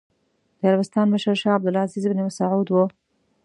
د عربستان مشر شاه عبد العزېز ابن سعود و.